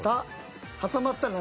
挟まった何？